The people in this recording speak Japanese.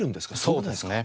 そうですね。